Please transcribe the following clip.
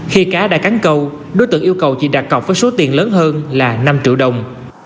khi cá đã cắn câu đối tượng yêu cầu chị đạt cọc với số tiền lớn hơn là năm triệu đồng